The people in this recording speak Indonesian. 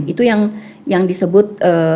itu yang disebut